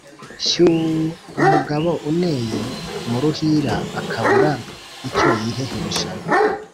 Shyuuuuuuu !!!!!!!-Umugabo uneye mu ruhira akabura icyo yihehesha